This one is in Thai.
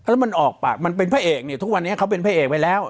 แล้วมันออกปากมันเป็นพระเอกเนี่ยทุกวันนี้เขาเป็นพระเอกไปแล้ว